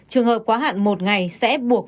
trường hợp quá hạn một ngày sẽ buộc